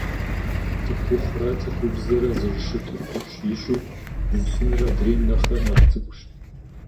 ЦӀыхухъурэ цӀыхубзу зэрыщытыр ӀупщӀ ищӀу, зысыныр адрейм нэхърэ нэхъ цӀыкӀущ.